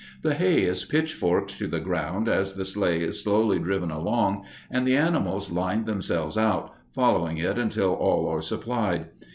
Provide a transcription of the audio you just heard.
The hay is pitch forked to the ground as the sleigh is slowly driven along, and the animals line themselves out, following it until all are supplied.